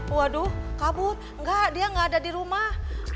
waduh kabur enggak dia gak ada dirumah